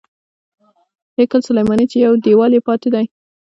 هیکل سلیماني چې یو دیوال یې پاتې دی.